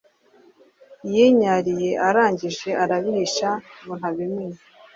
Yinyariye arangije arabihisha ngo ntabimenya